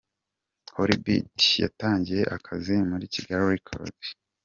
HollyBeat yatangiye akazi muri Kigali Record.